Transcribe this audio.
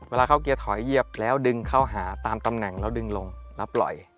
เวลาเข้าเกียร์ถอยเหยียบแล้วดึงเข้าหาตามตำแหน่งแล้วดึงลงแล้วปล่อย